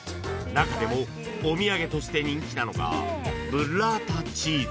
［中でもお土産として人気なのがブッラータチーズ］